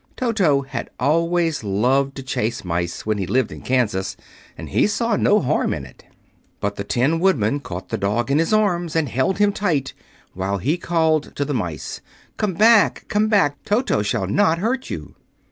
Toto had always loved to chase mice when he lived in Kansas, and he saw no harm in it. But the Tin Woodman caught the dog in his arms and held him tight, while he called to the mice, "Come back! Come back! Toto shall not hurt you."